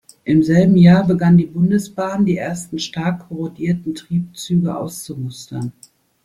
Im selben Jahr begann die Bundesbahn, die ersten stark korrodierten Triebzüge auszumustern.